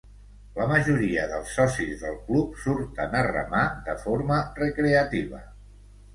La majoria dels socis del club surten a remar de forma recreativa.